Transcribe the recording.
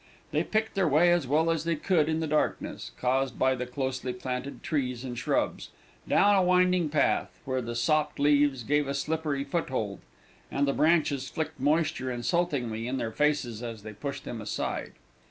They picked their way as well as they could in the darkness, caused by the closely planted trees and shrubs, down a winding path, where the sopped leaves gave a slippery foothold, and the branches flicked moisture insultingly in their faces as they pushed them aside.